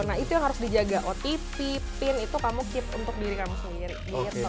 nah itu yang harus dijaga otp pin itu kamu keep untuk diri kamu sendiri gitu